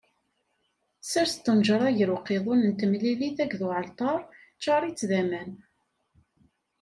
Sers tnejṛa gar uqiḍun n temlilit akked uɛalṭar, ččaṛ-itt d aman.